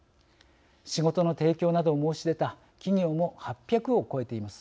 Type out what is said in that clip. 仕事の提供などを申し出た企業も８００を超えています。